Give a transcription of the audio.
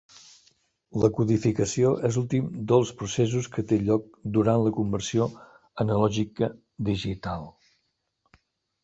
La codificació és l'últim dels processos que té lloc durant la conversió analògica-digital.